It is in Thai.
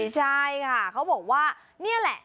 ใช่ค่ะเขาบอกว่านี่แหละ